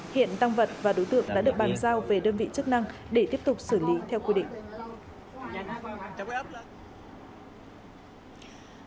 hiện tăng vật và đối tượng đã được bàn giao về đơn vị chức năng để tiếp tục xử lý theo quy định